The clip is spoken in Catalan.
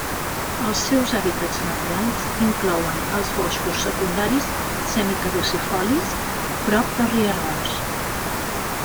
Els seus hàbitats naturals inclouen els boscos secundaris semicaducifolis, prop de rierols.